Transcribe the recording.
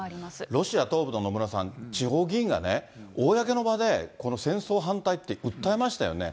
ロシア東部の、野村さん、地方議員がね、公の場で、戦争反対って訴えましたよね。